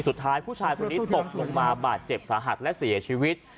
สุดท้ายผู้ชายคนนี้ตกลงมาบาดเจ็บสาหัสและเสียชีวิต